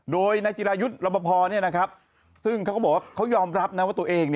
โดยนายจีรายุทธ์รบพองนี้นะครับซึ่งเขาก็บอกว่าเขายอมรับนะว่าตัวเอง